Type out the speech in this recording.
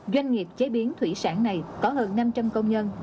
doanh nghiệp chế biến thủy sản này có hơn năm trăm linh công nhân